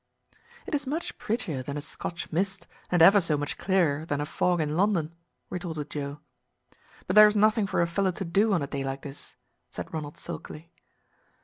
"It is much prettier than a Scotch mist, and ever so much clearer than a fog in London," retorted Joe. "But there is nothing for a fellow to do on a day like this," said Ronald sulkily.